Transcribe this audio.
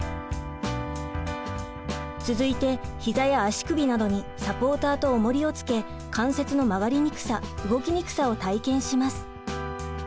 続いて膝や足首などにサポーターとおもりをつけ関節の曲がりにくさ動きにくさを体験します。